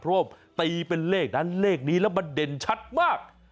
เพราะว่าตีเป็นเลขนั้นเลขนี้แล้วมันเด่นชัดมาก